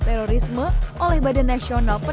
terorisme oleh badan nasional